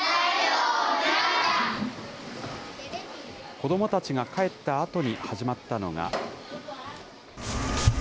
子どもたちが帰ったあとに、始まったのが。